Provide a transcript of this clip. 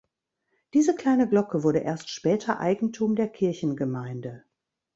Diese kleine Glocke wurde erst später Eigentum der Kirchengemeinde.